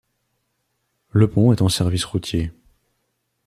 Le pont est en service routier.